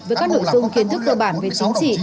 với các nội dung kiến thức cơ bản về chính trị